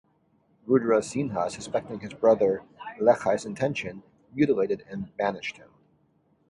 Rudra Sinha, suspecting his brother Lechai's intention, mutilated and banished him.